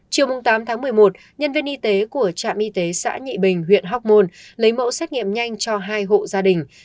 chiều tám tháng một mươi một nhân viên y tế của trạm y tế xã nhị bình huyện hóc môn lấy mẫu xét nghiệm nhanh cho hai hộ gia đình